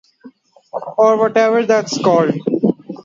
Or whatever that's called.